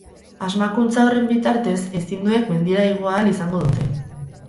Asmakuntza horren bitartez, ezinduek mendira igo ahal izango dute.